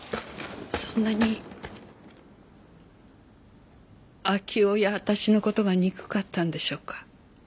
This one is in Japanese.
そんなに秋生や私の事が憎かったんでしょうか？